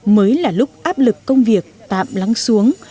mới là lúc áp lực công việc tạm lắng xuống